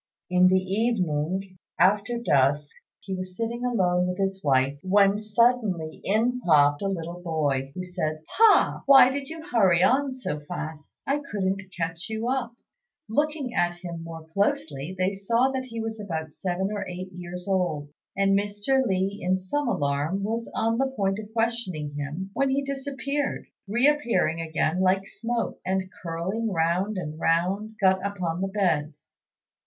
In the evening, after dusk, he was sitting alone with his wife, when suddenly in popped a little boy, who said, "Pa! why did you hurry on so fast? I couldn't catch you up." Looking at him more closely, they saw that he was about seven or eight years old, and Mr. Li, in some alarm, was on the point of questioning him, when he disappeared, re appearing again like smoke, and, curling round and round, got upon the bed.